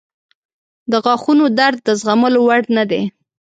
• د غاښونو درد د زغملو وړ نه دی.